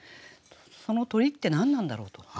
この「鳥」って何なんだろうと。